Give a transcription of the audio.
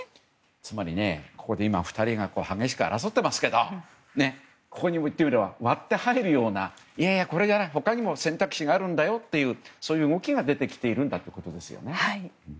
つまり、ここで今２人が激しく争っていますけどいってみれば割って入るようないやいや、他にも選択肢があるんだよというそういう動きが出てきているんだということですよね。